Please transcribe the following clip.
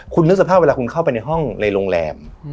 คุณนึกสภาพเวลาคุณเข้าไปในห้องในโรงแรม